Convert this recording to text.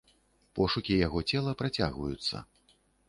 Пошукі яго цела працягваюцца.